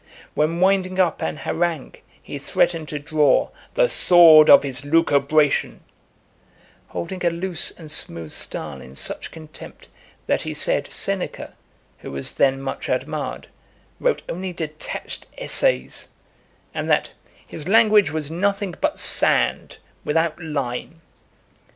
When winding up an harangue, he threatened to draw "the sword of his lucubration," holding a loose and smooth style in such contempt, that he said Seneca, who was then much admired, "wrote only detached essays," and that "his language was nothing but sand without lime."